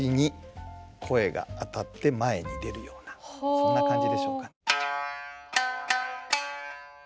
そんな感じでしょうか。